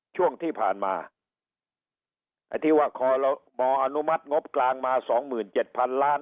ช่วงที่ผ่านมาไอ้ที่ว่าคอรมออนุมัติงบกลางมา๒๗๐๐๐ล้าน